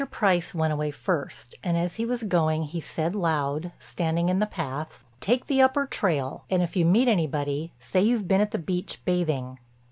Price went away first, and as he was going he said loud, standing in the path, "Take the upper trail and if you meet anybody say you've been at the beach bathing."